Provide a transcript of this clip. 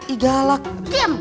ih galak diam